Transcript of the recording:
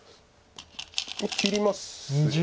切りますね。